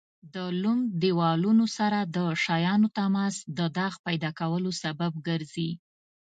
د لمد دېوالونو سره د شیانو تماس د داغ پیدا کېدو سبب ګرځي.